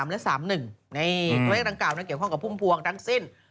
และ๓๑ในตัวเลขดังกล่านั้นเกี่ยวข้องกับพุ่มพวงทั้งสิ้น